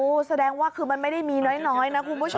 แสดงว่าคือมันไม่ได้มีน้อยนะคุณผู้ชม